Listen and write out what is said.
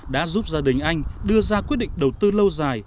đã giúp gia đình anh đưa ra quyết định đầu tư lâu dài